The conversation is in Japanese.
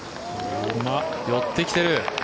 寄ってきてる。